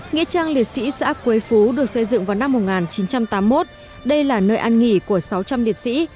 nghĩa trang liệt sĩ xã quế phú được xây dựng vào năm một nghìn chín trăm tám mươi một đây là nơi ăn nghỉ của sáu trăm linh liệt sĩ